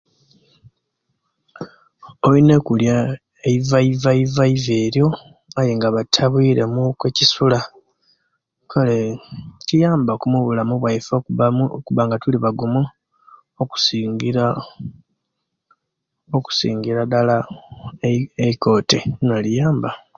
Olina okulia eiva va vaa elyo aye nga batabwiriemu ku ekisula kale kiyamba ku mubulamu bwaife okubamu okuba nga tulibagumu okusingira okusingira dala eikote liona liyamba